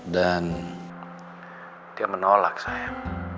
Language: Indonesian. dan dia menolak sayang